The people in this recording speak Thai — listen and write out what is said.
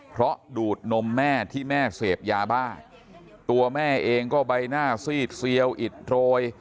เพราะดูดนมแม่ที่แม่เสพยาบ้าตัวแม่เองก็ใบหน้าซีดเซียวอิดโรย